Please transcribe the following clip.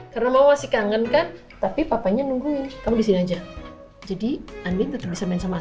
karena mama masih kangen kan tapi papanya nungguin kamu di sini aja jadi andien tetep bisa main sama